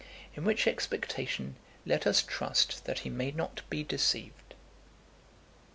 In which expectation let us trust that he may not be deceived.